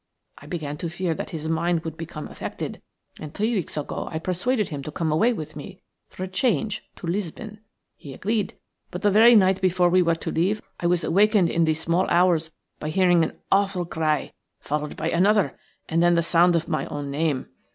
I began to fear that his mind would become affected, and three weeks ago I persuaded him to come away with me for a change to Lisbon. He agreed, but the very night before we were to leave I was awakened in the small hours by hearing an awful cry, followed by another, and then the sound of my own name.